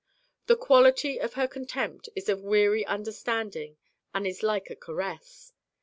The quality of her contempt is of weary understanding and is like a caress.